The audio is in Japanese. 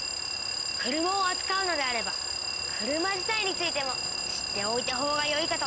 車をあつかうのであれば車自体についても知っておいたほうがよいかと。